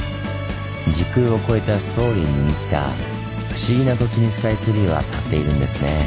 時空を超えたストーリーに満ちた不思議な土地にスカイツリーは立っているんですねぇ。